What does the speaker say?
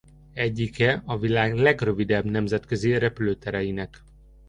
Egyike a világ legrövidebb nemzetközi repülőtereinek.